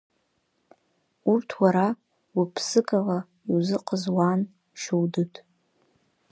Урҭ уара гәык-ԥсык ала иузыҟаз уаан, Шьоудыд.